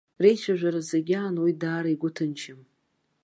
Реицәажәара зегь аан уи даара игәы ҭынчым.